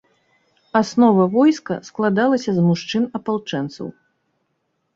Аснова войска складалася з мужчын-апалчэнцаў.